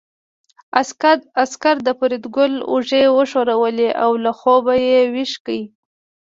عسکر د فریدګل اوږې وښورولې او له خوبه یې ويښ کړ